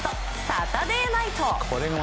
サタデーナイト。